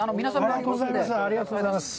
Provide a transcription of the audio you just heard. ありがとうございます。